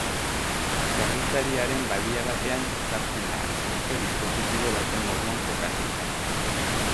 Zerbitzariaren badia batean ezartzen da, beste dispositibo baten moduan jokatuz.